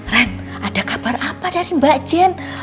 ren ada kabar apa dari mbak jen